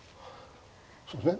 そうですね。